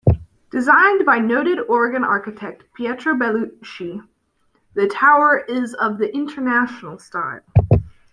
Designed by noted Oregon architect Pietro Belluschi, the tower is of the International Style.